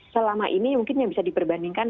selama ini mungkin yang bisa diperbandingkan